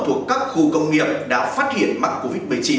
thuộc các khu công nghiệp đã phát hiện mắc covid một mươi chín